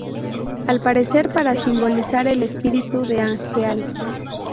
Al parecer, para simbolizar el espíritu de Angeal.